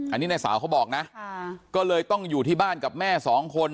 อันนี้ในสาวเขาบอกนะก็เลยต้องอยู่ที่บ้านกับแม่สองคน